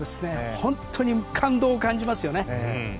本当に感動を感じますよね。